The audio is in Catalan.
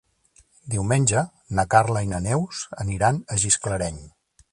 Diumenge na Carla i na Neus aniran a Gisclareny.